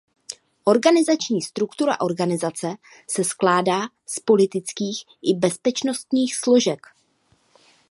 Organizační struktura organizace se skládá z politických i bezpečnostních složek.